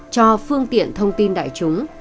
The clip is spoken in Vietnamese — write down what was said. cho phương tiện thông tin đại chúng